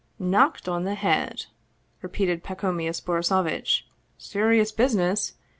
" Knocked on the head ?" repeated Pacomius Boriso vitch. " Serious business.